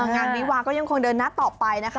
งานวิวาก็ยังคงเดินหน้าต่อไปนะคะ